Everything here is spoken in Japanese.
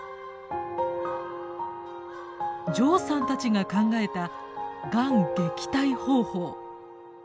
ジョウさんたちが考えたがん撃退方法。